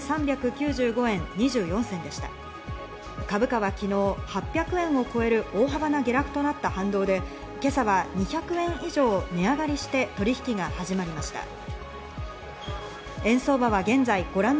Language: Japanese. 株価は昨日８００円を超える大幅な下落となった反動で今朝は２００円以上値上がりして取引が始まりました。